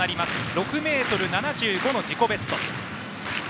６ｍ７５の自己ベスト。